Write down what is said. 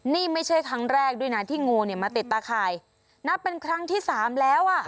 นี่ไม่ใช่ครั้งแรกด้วยนะที่งูเนี่ยมาติดตาข่ายนับเป็นครั้งที่สามแล้วอ่ะ